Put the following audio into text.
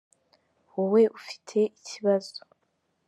wowe ufite ikibazo